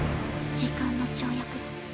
時間の跳躍。